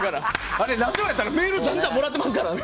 あれ、ラジオやったらメールじゃんじゃんもらってますからね。